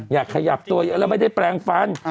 ขยับตัวเยอะแล้วไม่ได้แปลงฟัน